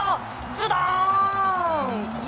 ズドーン！